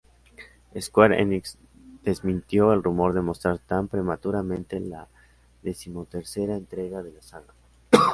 Square-Enix desmintió el rumor de mostrar tan prematuramente la decimotercera entrega de la saga.